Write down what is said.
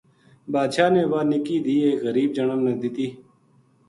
بادشاہ نے واہ نِکی دھی ایک غریب جنا نا دِتّی